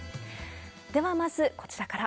では、まずこちらから。